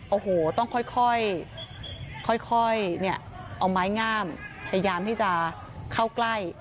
โอ้โหต้องค่อยค่อยค่อยค่อยเนี้ยเอาไม้งามพยายามที่จะเข้าใกล้